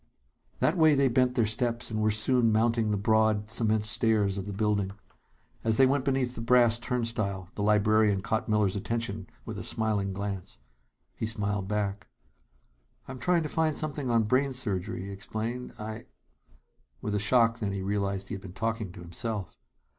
That way they bent their steps, and were soon mounting the broad cement stairs of the building. As they went beneath the brass turnstile, the librarian caught Miller's attention with a smiling glance. He smiled back. "I'm trying to find something on brain surgery," he explained. "I " With a shock, then, he realized he had been talking to himself.